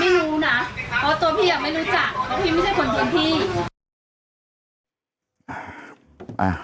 ไม่รู้นะเพราะตัวพี่อ่ะไม่รู้จักเพราะพี่ไม่ใช่คนพื้นที่